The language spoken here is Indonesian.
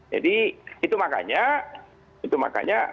jadi itu makanya